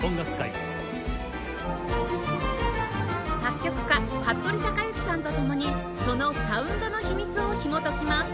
作曲家服部之さんと共にそのサウンドの秘密をひもときます